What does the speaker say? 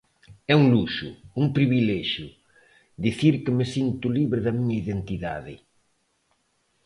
É un luxo, un privilexio, dicir que me sinto libre na miña identidade.